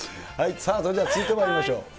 さあ、それでは続いてまいりましょう。